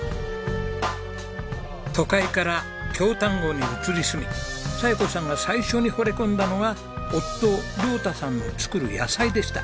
都会から京丹後に移り住み佐代子さんが最初にほれ込んだのが夫亮太さんの作る野菜でした。